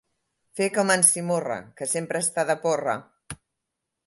Fer com en Simorra, que sempre està de porra.